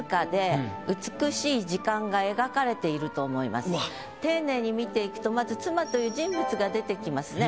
とても丁寧に見ていくとまず妻という人物が出てきますね。